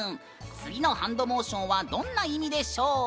次のハンドモーションはどんな意味でしょう？